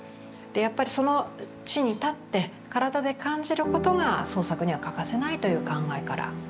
やっぱりその地に立って体で感じることが創作には欠かせないという考えからだったそうです。